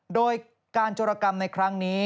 โดยการจรกรรมในครั้งนี้